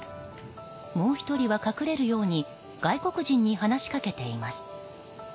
もう１人は隠れるように外国人に話しかけています。